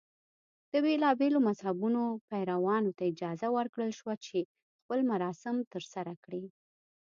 د بېلابېلو مذهبونو پیروانو ته اجازه ورکړل شوه چې خپل مراسم ترسره کړي.